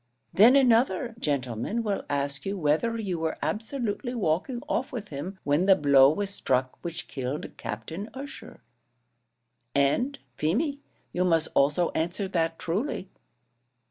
Then another gentleman will ask you whether you were absolutely walking off with him when the blow was struck which killed Captain Ussher; and, Feemy, you must also answer that truly.